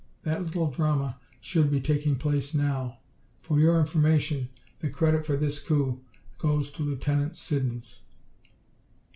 That little drama should be taking place now. For your information, the credit for this coup goes to Lieutenant Siddons."